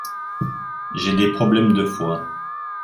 J’ai des problèmes de foie.